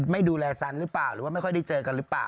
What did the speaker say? ไม่ดูแลซันหรือเปล่าหรือว่าไม่ค่อยได้เจอกันหรือเปล่า